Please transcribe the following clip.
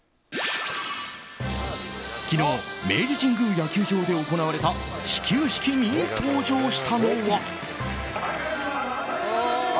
昨日明治神宮野球場で行われた始球式に登場したのは。